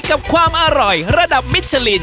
กับความอร่อยระดับมิชลิน